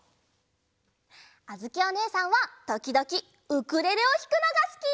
あづきおねえさんはときどきウクレレをひくのがすき！